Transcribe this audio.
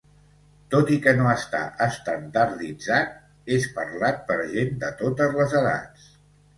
Tot i que no està estandarditzat, és parlat per gent de totes les edats.